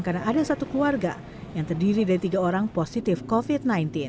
karena ada satu keluarga yang terdiri dari tiga orang positif covid sembilan belas